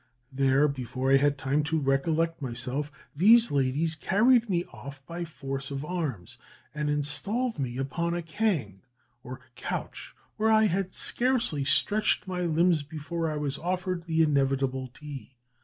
There, before I had time to recollect myself, these ladies carried me off by force of arms, and installed me upon a kang or couch, where I had scarcely stretched my limbs before I was offered the inevitable tea.